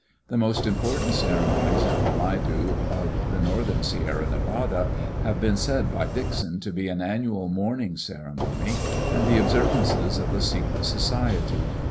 The most important ceremonies of the Maidu of the northern Sierra Nevada have been said by Dixon to be an annual mourning ceremony and the observances of a secret society.